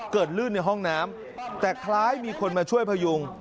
ลื่นในห้องน้ำแต่คล้ายมีคนมาช่วยพยุง